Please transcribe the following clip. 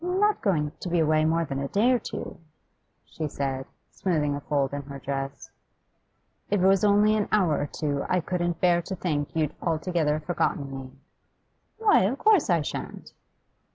'I'm not going to be away more than a day or two,' she said, smoothing a fold in her dress. 'If it was only an hour or two I couldn't bear to think you'd altogether forgotten me.' 'Why, of course I shan't!